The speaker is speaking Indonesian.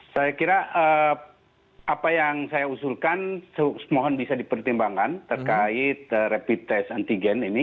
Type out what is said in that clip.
saya kira apa yang saya usulkan mohon bisa dipertimbangkan terkait rapid test antigen ini